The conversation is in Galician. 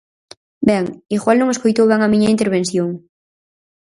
Ben, igual non escoitou ben a miña intervención.